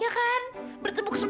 jangat dengan aurel